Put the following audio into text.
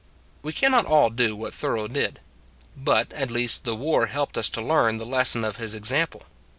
We can not all do what Thoreau did; but, at least, the war helped us to learn the lesson of his example.